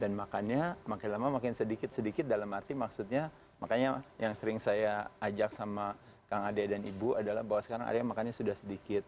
dan makannya makin lama makin sedikit sedikit dalam arti maksudnya makanya yang sering saya ajak sama kang ade dan ibu adalah bahwa sekarang area makannya sudah sedikit